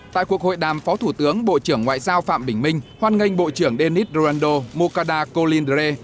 tại cuộc hội đàm phó thủ tướng bộ trưởng ngoại giao phạm bình minh hoan nghênh bộ trưởng denis rolando moncada colindre